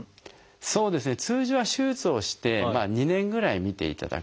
そうですね通常は手術をして２年ぐらい見ていただくんですね。